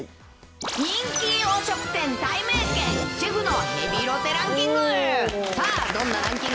人気洋食店、たいめいけん、シェフのヘビロテランキング。